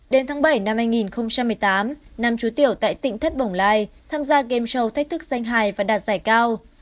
đến tháng bảy năm hai nghìn một mươi tám nam chú tiểu tại tỉnh thất bồng lai tham gia game show thách thức danh hài và đạt giải cao